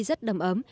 rất đầm ấm